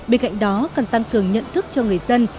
bên cạnh đó cần tăng cường nhận thức cho người dân